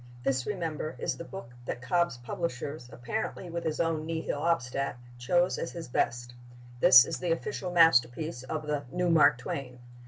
This, remember, is the book that Cobb's publishers, apparently with his own Nihil Obstat, choose as his best. This is the official masterpiece of the "new Mark Twain."